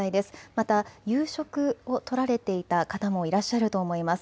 また夕食をとられていた方もいらっしゃると思います。